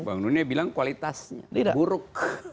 bank dunia bilang kualitasnya jadi buruk